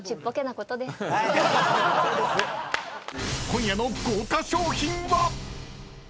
［今夜の豪華賞品は⁉］